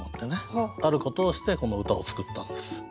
あることをしてこの歌を作ったんです。